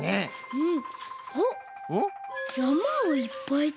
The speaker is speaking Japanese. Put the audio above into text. うん！